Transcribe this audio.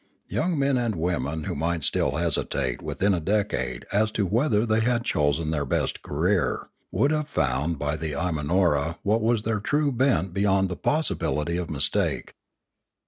Young men and women, who might still hesitate within a decade as to whether they had chosen their best career, would have found by the Imanora what was their true bent beyond the possibility of mistake.